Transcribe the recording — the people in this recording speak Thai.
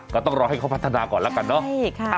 ก็ต้องรอให้เขาพัฒนาก่อนแล้วกันเนาะ